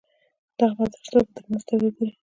دغو مدرسو ته په درنه سترګه ګوري.